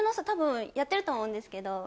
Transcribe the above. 多分やってると思うんですけど。